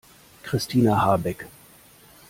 Christina Habeck?